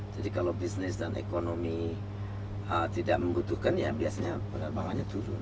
jadi kalau business dan ekonomi tidak membutuhkan ya biasanya penerbangannya turun